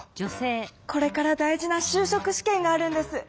これから大事なしゅうしょく試験があるんです。